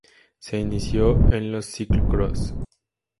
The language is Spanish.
Se inició en el ciclocross.